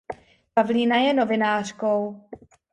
Pavlína je novinářkou.